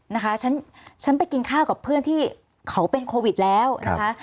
นะคะฉันฉันไปกินข้าวกับเพื่อนที่เขาเป็นโควิดแล้วนะคะ